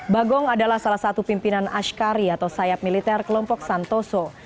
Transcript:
bagong adalah salah satu pimpinan ashkari atau sayap militer kelompok santoso